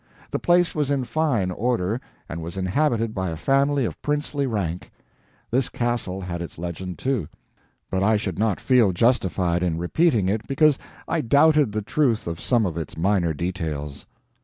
The place was in fine order, and was inhabited by a family of princely rank. This castle had its legend, too, but I should not feel justified in repeating it because I doubted the truth of some of its minor details.